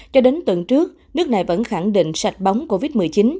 trước năm trước nước này vẫn khẳng định sạch bóng covid một mươi chín